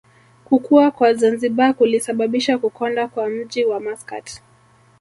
Kukua kwa Zanzibar kulisababisha kukonda kwa mji wa Maskat